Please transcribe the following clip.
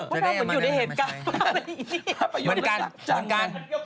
เหมือนกัน